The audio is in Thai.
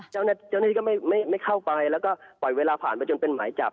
เจ้าหน้าที่ก็ไม่เข้าไปแล้วก็ปล่อยเวลาผ่านไปจนเป็นหมายจับ